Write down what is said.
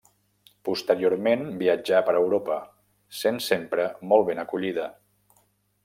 Posteriorment viatjà per Europa, sent sempre molt ben acollida.